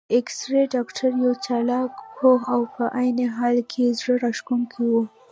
د اېکسرې ډاکټر یو چالاک، پوه او په عین حال کې زړه راښکونکی و.